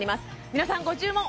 皆さんご注文